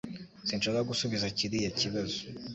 Sinshaka gusubiza kiriya kibazo